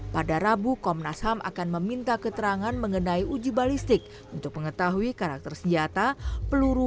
pada rabu komnas ham akan meminta keterangan mengenai uji balistik untuk mengetahui karakter senjata peluru